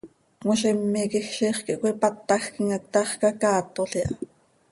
Cmozime quij ziix quih cöipátajquim hac, taax cacaatol iha.